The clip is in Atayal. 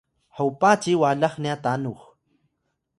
hopa ci walax nya tanux